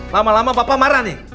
lama lama bapak marah nih